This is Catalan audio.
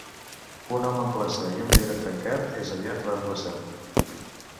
Un home en plaça i un vidre trencat és aviat reemplaçat.